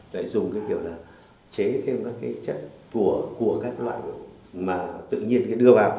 lại dùng cái kiểu là chế thêm các cái chất của các loại mà tự nhiên cái đưa vào